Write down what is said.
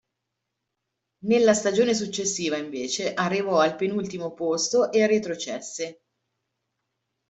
Nella stagione successiva invece arrivò al penultimo posto e retrocesse.